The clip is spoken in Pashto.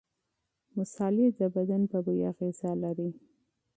مصالحې د بدن په بوی اغېزه لري.